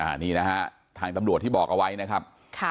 อันนี้นะฮะทางตำรวจที่บอกเอาไว้นะครับค่ะ